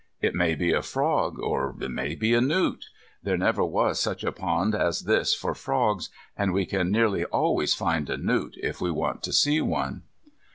It may be a frog, or it may be a newt. There never was such a pond as this for frogs, and we can nearly always find a newt, if we want to see one.